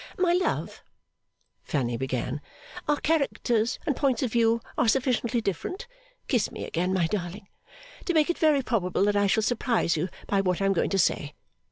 'My love,' Fanny began, 'our characters and points of view are sufficiently different (kiss me again, my darling), to make it very probable that I shall surprise you by what I am going to say.